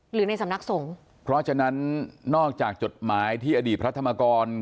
หรือในสำนักสงฆ์เพราะฉะนั้นนอกจากจดหมายที่อดีตพระธรรมกร